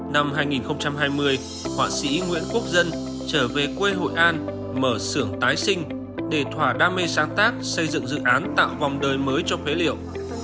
năm hai nghìn hai mươi họa sĩ nguyễn quốc dân trở về quê hội an mở sưởng tái sinh để thỏa đam mê sáng tác xây dựng dự án tạo vòng đời mới cho phế liệu